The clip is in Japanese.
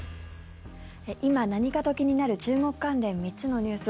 今、何かと気になる中国関連３つのニュース。